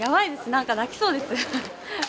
なんか泣きそうです。